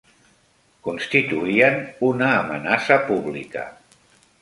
Constituïen una amenaça pública.